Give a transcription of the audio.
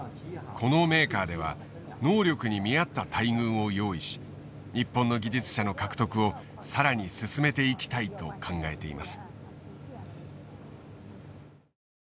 このメーカーでは能力に見合った待遇を用意し日本の技術者の獲得を更に進めていきたいと考えています。